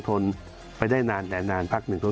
ทนไปได้นานแต่นานพักหนึ่งก็